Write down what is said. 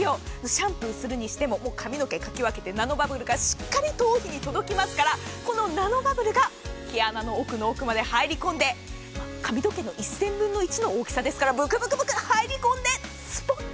シャンプーするにしても髪の毛かき分けてナノバブルがしっかり頭皮に届きますからこのナノバブルが毛穴の奥の奥まで入り込んで髪の毛の１０００分の１の大きさですからブクブク入り込んでスポ。